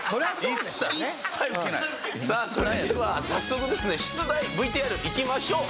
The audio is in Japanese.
さあそれでは早速ですね出題ＶＴＲいきましょう。